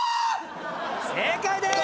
正解です！